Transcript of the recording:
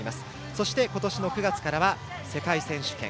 そして、今年の９月からは世界選手権。